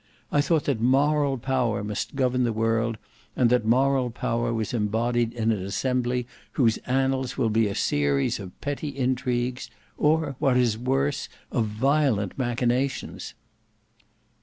I thought that moral power must govern the world, and that moral power was embodied in an assembly whose annals will be a series of petty intrigues, or, what is worse, of violent machinations."